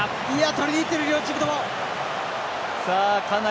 取りにいってる両チームとも！